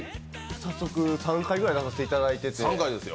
早速、３回ぐらい出させていただいてて。